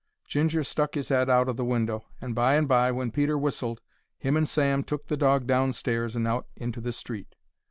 Ginger stuck his 'ead out o' the window, and by and by, when Peter whistled, him and Sam took the dog downstairs and out into the street.